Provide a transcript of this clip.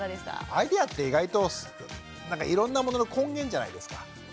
アイデアって意外といろんなものの根源じゃないですか。